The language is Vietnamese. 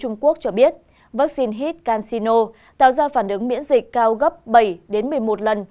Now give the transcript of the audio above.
trung quốc cho biết vaccine hit cansino tạo ra phản ứng miễn dịch cao gấp bảy một mươi một lần